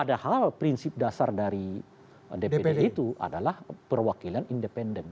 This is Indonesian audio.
karena prinsip dasar dari dpd itu adalah perwakilan independen